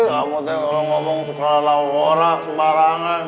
kamu tengok lo ngomong suka lawor lawor lah kemarangan